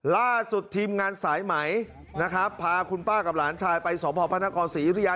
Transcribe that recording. ล่าสุดทีมงานสายไหมนะครับพาคุณป้ากับหลานชายไปสพพระนครศรีอยุธยา